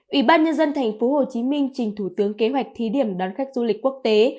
ủy ban nhân dân thành phố hồ chí minh trình thủ tướng kế hoạch thí điểm đón khách du lịch quốc tế